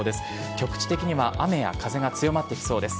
局地的には雨や風が強まってきそうです。